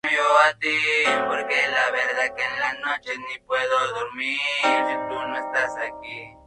Mientras tanto, el gobierno decidió enviar al expresidente Bulnes para pacificar la zona.